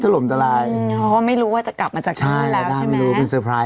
ตลมตลลายเขาไม่รู้ว่าจะกลับมาจากที่นี่แล้วใช่ไหมใช่แหละนี่ดูมี